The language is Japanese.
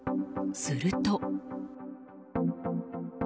すると。